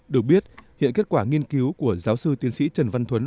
được biết hiện kết quả nghiên cứu của giáo sư tiến sĩ trần văn thuấn